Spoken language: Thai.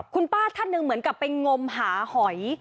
คุณป้าท่านหนึ่งเหมือนกับไปงมหาหอย